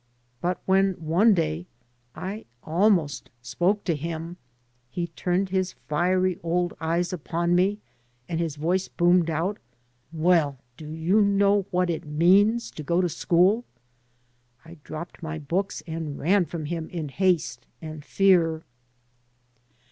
But when one day I almost spoke to him he turned his iiery old eyes upon me, and his voice boomed out, " Well, do you know what it means to go to school?" I dropped my books and ran from him in haste and fear.